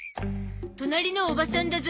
隣のおばさんだゾ。